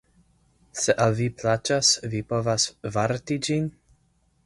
Se al vi plaĉas, vi povas varti ĝin?